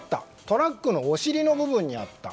トラックのお尻の部分にあった。